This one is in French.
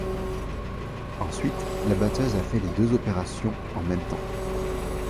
Ensuite la batteuse a fait les deux opérations en même temps.